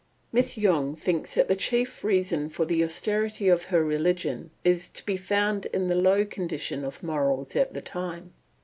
Miss Yonge thinks that the chief reason of the austerity of her religion is to be found in the low condition of morals at the time.